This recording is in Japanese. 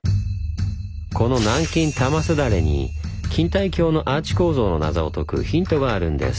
この南京玉すだれに錦帯橋のアーチ構造の謎を解くヒントがあるんです。